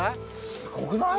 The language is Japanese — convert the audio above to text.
すごくない？